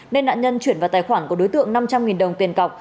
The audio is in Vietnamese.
nên nạn nhân chuyển vào tài khoản của đối tượng năm trăm linh đồng tiền cọc